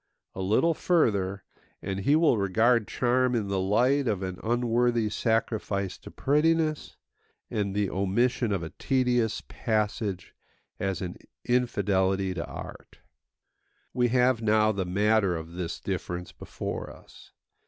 A little further, and he will regard charm in the light of an unworthy sacrifice to prettiness, and the omission of a tedious passage as an infidelity to art. We have now the matter of this difference before us.